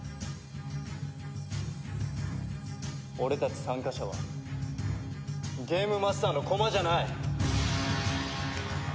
俺たち参加者はゲームマスターの駒じゃない！